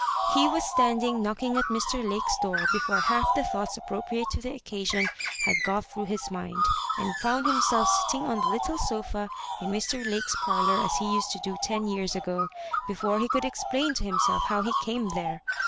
He was standing knocking at Mr. Lake's door before half the thoughts appropriate to the occasion had got through his mind,' and found himself sitting on the little sofa in Mr. Lake's parlour as he usal to do ten years ago, before he could explain to himself how he came there.